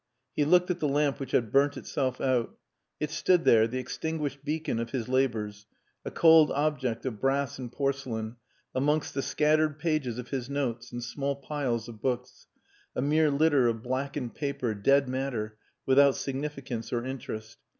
He looked at the lamp which had burnt itself out. It stood there, the extinguished beacon of his labours, a cold object of brass and porcelain, amongst the scattered pages of his notes and small piles of books a mere litter of blackened paper dead matter without significance or interest.